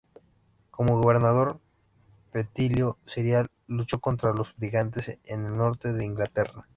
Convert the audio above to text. Como gobernador, Petilio Cerial luchó contra los brigantes en el norte de Inglaterra.